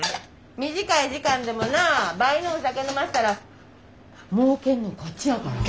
短い時間でもな倍のお酒飲ましたらもうけんのこっちやから。